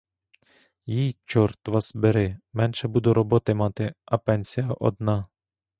Їй, чорт вас бери, менше буду роботи мати, а пенсія одна.